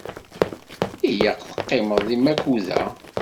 Ilaq teqqimeḍ di Makuda.